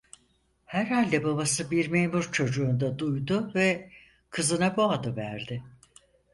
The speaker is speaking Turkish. Herhalde babası bir memur çocuğunda duydu ve kızına bu adı verdi.